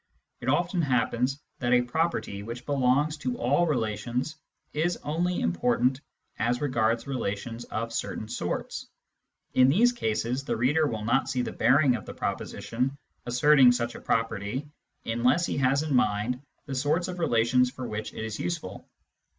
It often happens that a property which belongs to all relations is only important as regards relations of certain sorts ; in these cases the reader will not see the bearing of the proposition asserting such a property unless he has in mind the sorts of relations for which it is useful.